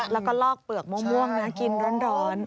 แล้วก็ลอกเปลือกม่วงนะกินร้อน